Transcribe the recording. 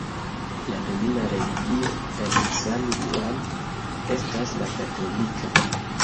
La domina religio en San Juan estas la katolika.